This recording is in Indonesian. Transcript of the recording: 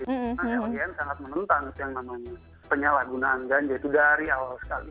karena lbn sangat menentang penyalahgunaan ganja itu dari awal sekali